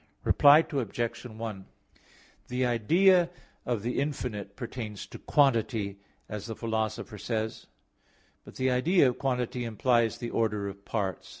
Reply Obj. 1: The idea of the infinite pertains to quantity, as the Philosopher says (Phys. i). But the idea of quantity implies the order of parts.